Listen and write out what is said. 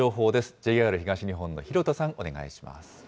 ＪＲ東日本の弘田さん、お願いします。